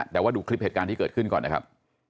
แต่ว่าดูคลิปเหตุการณ์ที่เกิดขึ้นก่อนนะครับ